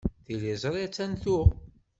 Tiliẓri attan tuɣ.